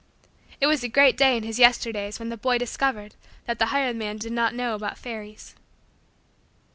It was a great day in his Yesterdays when the boy discovered that the hired man did not know about fairies.